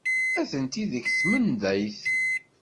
Atenti deg tmenḍayt.